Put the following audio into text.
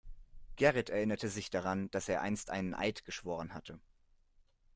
Gerrit erinnerte sich daran, dass er einst einen Eid geschworen hatte.